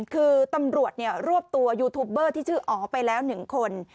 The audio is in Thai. คือตำรวจรวบตัวยูทูปเบอร์ที่ชื่ออ๋อไปแล้ว๑คน